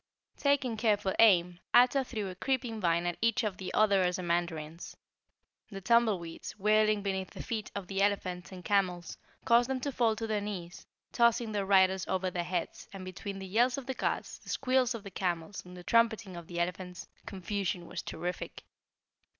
Taking careful aim, Ato threw a creeping vine at each of the other Ozamandarins. The tumbleweeds, whirling beneath the feet of the elephants and camels, caused them to fall to their knees, tossing their riders over their heads, and between the yells of the guards, the squeals of the camels, and trumpeting of the elephants, confusion was terrific.